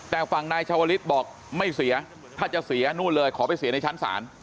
แต่ฝั่งนายชาวลิศบอกไม่เสียถ้าจะเสียนู่นเลยขอไปเสียในชั้นศาล